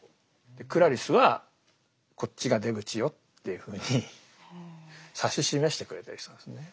クラリスはこっちが出口よっていうふうに指し示してくれてる人なんですね。